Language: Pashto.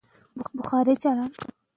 که کار وي نو غال نه وي.